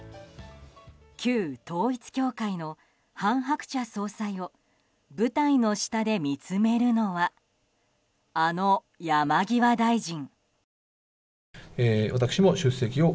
旧統一教会の韓鶴子総裁を舞台の下で見つめるのはあの山際大臣。